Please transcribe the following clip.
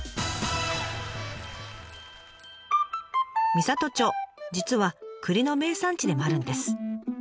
美郷町実は栗の名産地でもあるんです。